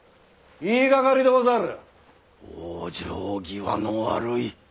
往生際の悪い。